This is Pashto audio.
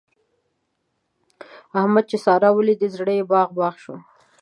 احمد چې سارا وليده؛ زړه يې باغ باغ شو.